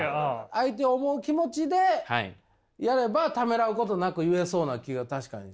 相手を思う気持ちでやればためらうことなく言えそうな気は確かに。